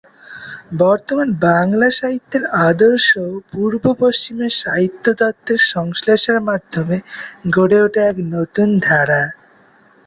বর্তমান বাংলা সাহিত্যের আদর্শও পূর্ব-পশ্চিমের সাহিত্যতত্ত্বের সংশ্লেষের মাধ্যমে গড়ে ওঠা এক নতুন ধারা।